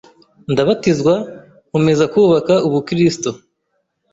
ndabatizwa nkomeza kubaka ubu kristo